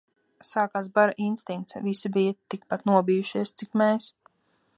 Sākās bara instinkts. Visi bija tik pat nobijušies, cik mēs.